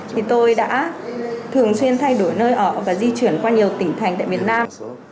thì tôi đã thường xuyên thay đổi nơi ở và di chuyển qua nhiều tỉnh thành tại việt nam